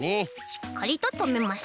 しっかりととめます。